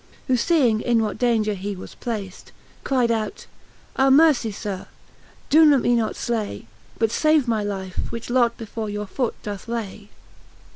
"Who feeing, in what daunger he was plaft, Cryde out, Ah mercie, Sir, doe me not flay, But {ave my life, which lot before your foot doth lay.